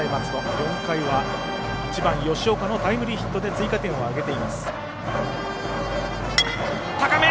４回は１番吉岡のタイムリーヒットで追加点を挙げています。